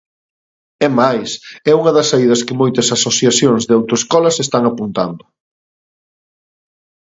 É máis, é unha das saídas que xa moitas asociacións de autoescolas están apuntando.